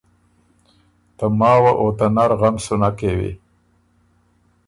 ته ماوه او ته نر غم سُو نک کېوی